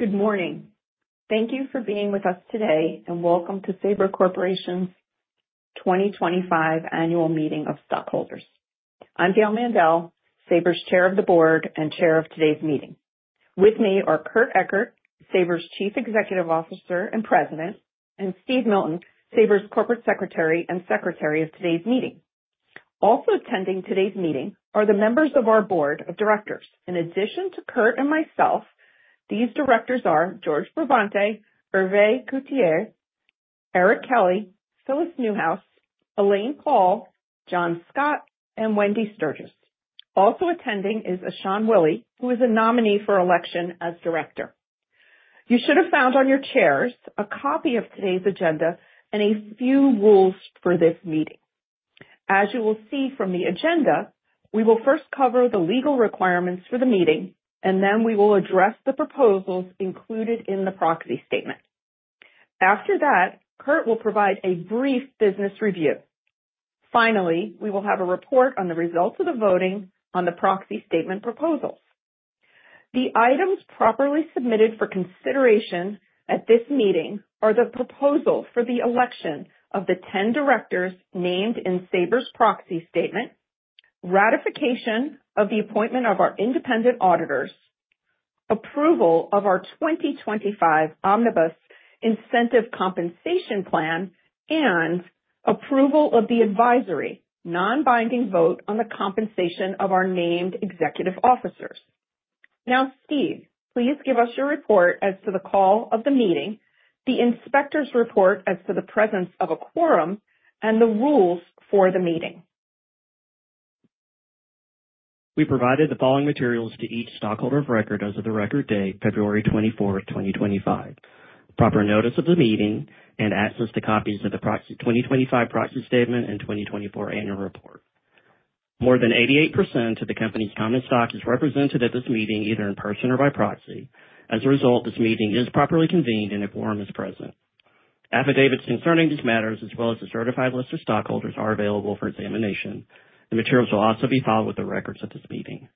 Good morning. Thank you for being with us today, and welcome to Sabre Corporation's 2025 Annual Meeting of Stockholders. I'm Gail Mandel, Sabre's Chair of the board and chair of today's meeting. With me are Kurt Ekert, Sabre's Chief Executive Officer and president, and Steve Milton, Sabre's Corporate Secretary and secretary of today's meeting. Also attending today's meeting are the members of our board of directors. In addition to Kurt and myself, these directors are George Bravante, Hervé Couturier, Eric Kelly, Phyllis Newhouse, Elaine Paul, John Scott, and Wendi Sturgis. Also attending is Ashan Willy, who is a nominee for election as director. You should have found on your chairs a copy of today's agenda and a few rules for this meeting. As you will see from the agenda, we will first cover the legal requirements for the meeting, and then we will address the proposals included in the proxy statement. After that, Kurt will provide a brief business review. Finally, we will have a report on the results of the voting on the proxy statement proposals. The items properly submitted for consideration at this meeting are the proposal for the election of the 10 directors named in Sabre's proxy statement, ratification of the appointment of our independent auditors, approval of our 2025 Omnibus Incentive Compensation Plan, and approval of the advisory, non-binding vote on the compensation of our named executive officers. Now, Steve, please give us your report as to the call of the meeting, the inspector's report as to the presence of a quorum, and the rules for the meeting. We provided the following materials to each stockholder of record as of the record date, February 2024-2025. Proper notice of the meeting and access to copies of the proxy, 2025 proxy statement, and 2024 annual report. More than 88% of the company's common stock is represented at this meeting, either in person or by proxy. As a result, this meeting is properly convened and a quorum is present. Affidavits concerning these matters, as well as the certified list of stockholders, are available for examination. The materials will also be filed with the records of this meeting.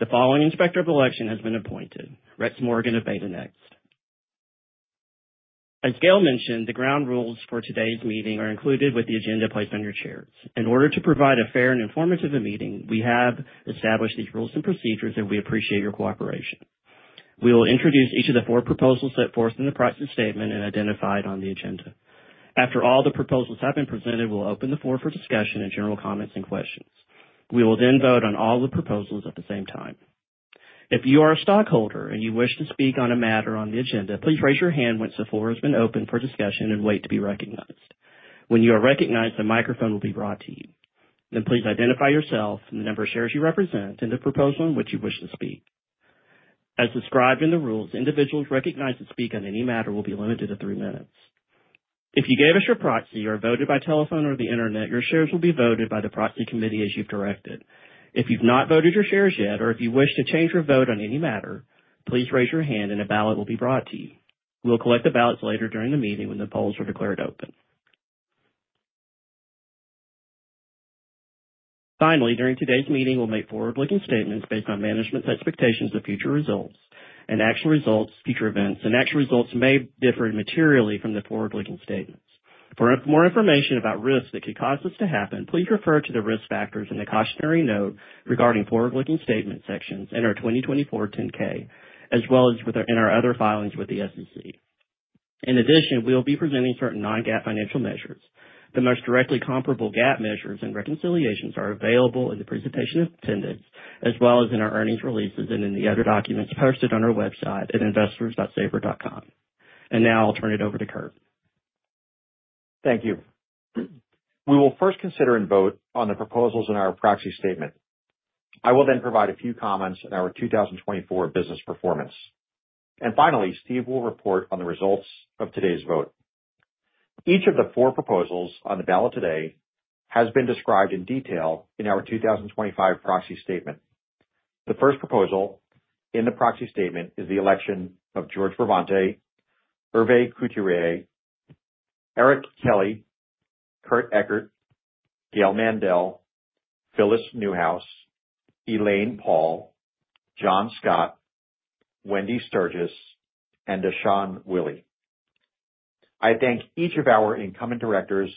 The following inspector of election has been appointed: Rex Morgan of BetaNXT. As Gail mentioned, the ground rules for today's meeting are included with the agenda placed on your chairs. In order to provide a fair and informative meeting, we have established these rules and procedures, and we appreciate your cooperation. We will introduce each of the four proposals set forth in the proxy statement and identified on the agenda. After all the proposals have been presented, we'll open the floor for discussion and general comments and questions. We will then vote on all the proposals at the same time. If you are a stockholder and you wish to speak on a matter on the agenda, please raise your hand once the floor has been opened for discussion and wait to be recognized. When you are recognized, the microphone will be brought to you. Then please identify yourself and the number of shares you represent and the proposal in which you wish to speak. As described in the rules, individuals recognized to speak on any matter will be limited to three minutes. If you gave us your proxy or voted by telephone or the internet, your shares will be voted by the proxy committee as you've directed. If you've not voted your shares yet, or if you wish to change your vote on any matter, please raise your hand and a ballot will be brought to you. We'll collect the ballots later during the meeting when the polls are declared open. Finally, during today's meeting, we'll make forward-looking statements based on management's expectations of future results and actual results, future events, and actual results may differ materially from the forward-looking statements. For more information about risks that could cause this to happen, please refer to the risk factors in the cautionary note regarding forward-looking statement sections in our 2024 10-K, as well as in our other filings with the SEC. In addition, we'll be presenting certain non-GAAP financial measures. The most directly comparable GAAP measures and reconciliations are available in the presentation attachments, as well as in our earnings releases and in the other documents posted on our website at investors.sabre.com. Now I'll turn it over to Kurt. Thank you. We will first consider and vote on the proposals in our proxy statement. I will then provide a few comments on our 2024 business performance, and finally, Steve will report on the results of today's vote. Each of the four proposals on the ballot today has been described in detail in our 2025 proxy statement. The first proposal in the proxy statement is the election of George Bravante, Hervé Couturier, Eric Kelly, Kurt Ekert, Gail Mandel, Phyllis Newhouse, Elaine Paul, John Scott, Wendi Sturgis, and Ashan Willy. I thank each of our incoming directors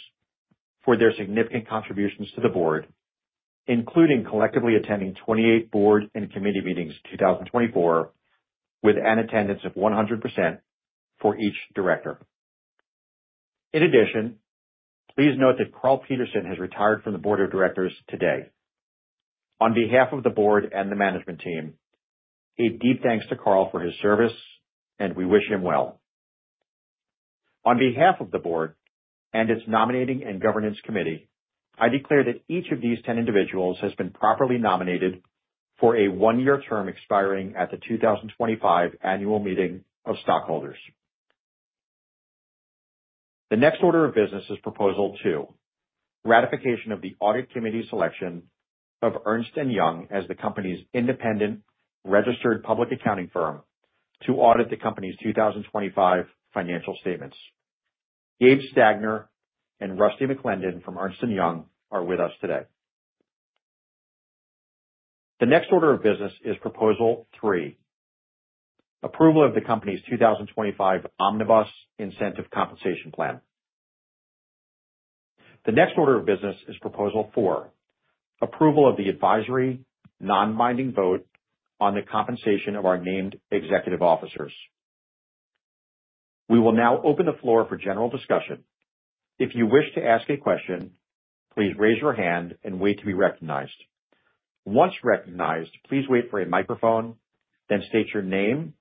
for their significant contributions to the board, including collectively attending 28 board and committee meetings in 2024, with an attendance of 100% for each director. In addition, please note that Karl Peterson has retired from the board of directors today. On behalf of the board and the management team, a deep thanks to Karl for his service, and we wish him well. On behalf of the board and its nominating and governance committee, I declare that each of these 10 individuals has been properly nominated for a one-year term expiring at the 2025 annual meeting of stockholders. The next order of business is Proposal Two: Ratification of the Audit Committee's selection of Ernst & Young as the company's independent registered public accounting firm to audit the company's 2025 financial statements. Gabe Stagner and Rusty McClendon from Ernst & Young are with us today. The next order of business is Proposal Three: Approval of the company's 2025 Omnibus Incentive Compensation Plan. The next order of business is Proposal Four: Approval of the advisory, non-binding vote on the compensation of our named executive officers. We will now open the floor for general discussion. If you wish to ask a question, please raise your hand and wait to be recognized. Once recognized, please wait for a microphone, then state your name,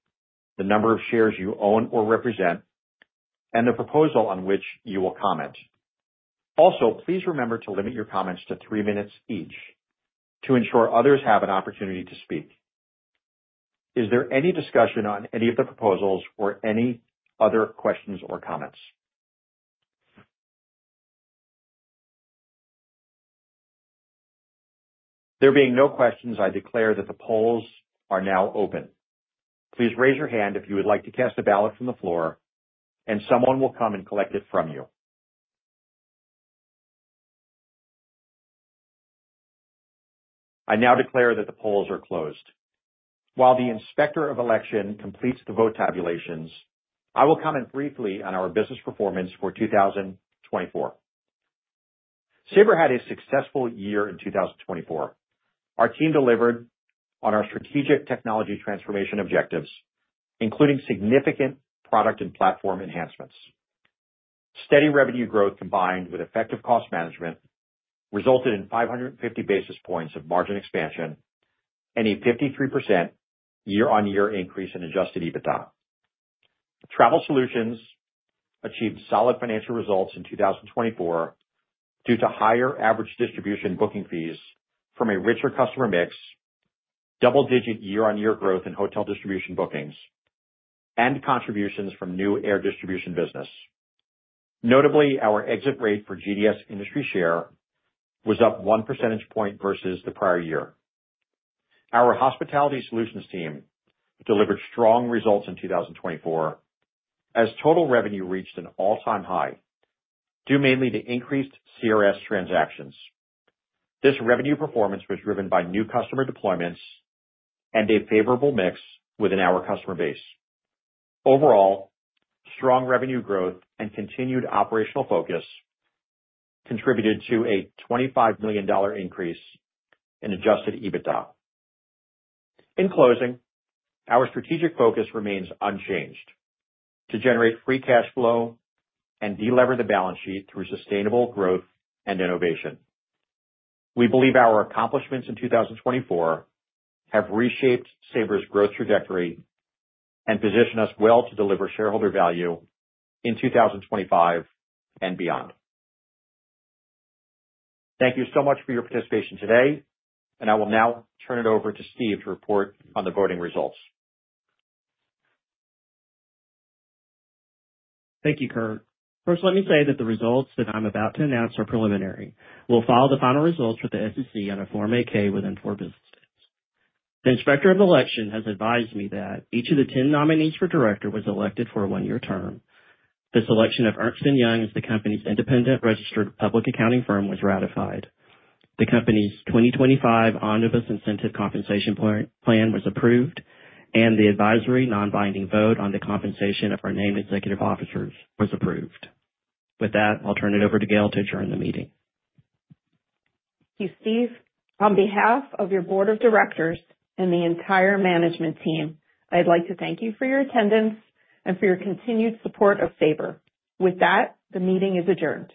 the number of shares you own or represent, and the proposal on which you will comment. Also, please remember to limit your comments to three minutes each, to ensure others have an opportunity to speak. Is there any discussion on any of the proposals or any other questions or comments? There being no questions, I declare that the polls are now open. Please raise your hand if you would like to cast a ballot from the floor, and someone will come and collect it from you. I now declare that the polls are closed. While the Inspector of Election completes the vote tabulations, I will comment briefly on our business performance for 2024. Sabre had a successful year in 2024. Our team delivered on our strategic technology transformation objectives, including significant product and platform enhancements. Steady revenue growth, combined with effective cost management, resulted in 550 basis points of margin expansion and a 53% year-on-year increase in Adjusted EBITDA. Travel Solutions achieved solid financial results in 2024 due to higher average distribution booking fees from a richer customer mix, double-digit year-on-year growth in hotel distribution bookings, and contributions from new air distribution business. Notably, our exit rate for GDS industry share was up one percentage point versus the prior year. Our Hospitality Solutions team delivered strong results in 2024, as total revenue reached an all-time high, due mainly to increased CRS transactions. This revenue performance was driven by new customer deployments and a favorable mix within our customer base. Overall, strong revenue growth and continued operational focus contributed to a $25 million increase in Adjusted EBITDA. In closing, our strategic focus remains unchanged: to generate free cash flow and de-lever the balance sheet through sustainable growth and innovation. We believe our accomplishments in 2024 have reshaped Sabre's growth trajectory and position us well to deliver shareholder value in 2025 and beyond. Thank you so much for your participation today, and I will now turn it over to Steve to report on the voting results. Thank you, Kurt. First, let me say that the results that I'm about to announce are preliminary. We'll follow the final results with the SEC on a Form 8-K within four business days. The Inspector of the Election has advised me that each of the 10 nominees for director was elected for a one-year term. The selection of Ernst & Young as the company's independent registered public accounting firm was ratified. The company's 2025 Omnibus Incentive Compensation Plan was approved, and the advisory non-binding vote on the compensation of our named executive officers was approved. With that, I'll turn it over to Gail to adjourn the meeting. Thank you, Steve. On behalf of your board of directors and the entire management team, I'd like to thank you for your attendance and for your continued support of Sabre. With that, the meeting is adjourned.